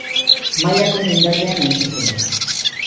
Mailako mendatean hain zuzen ere.